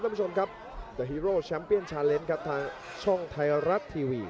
สักค่อยเดินเข้ามาหมดยกที่สองครับ